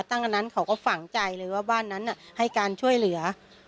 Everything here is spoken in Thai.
อันนั้นเขาก็ฝังใจเลยว่าบ้านนั้นให้การช่วยเหลือ